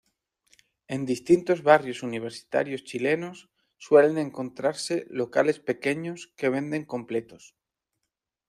En distintos barrios universitarios chilenos suelen encontrarse locales pequeños que venden completos.